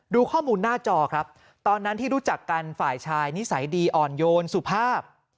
ดูข้อมูลหน้าจอครับตอนนั้นที่รู้จักกันฝ่ายชายนิสัยดีอ่อนโยนสุภาพ